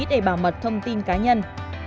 để bảo mật thông tin cá nhân